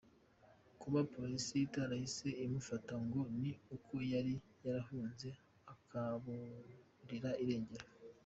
Kuba polisi itarahise imufata ngo ni uko yari yarahunze, akaburirwa irengero.